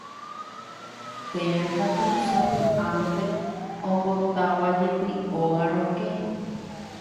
Térã katu sapy'ánte ombotávajepi óga rokẽ.